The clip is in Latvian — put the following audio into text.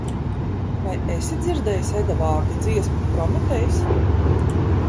Vai esi dzirdējis Edavārdi dziesmu "Prometejs"?